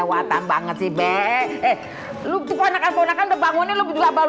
apaan sih kalian berdua